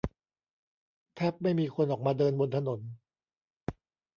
แทบไม่มีคนออกมาเดินบนถนน